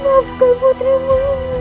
maafkan putri ibu